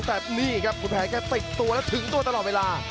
แต่นี่ครับคุณแผนแค่ติดตัวแล้วถึงตัวตลอดเวลา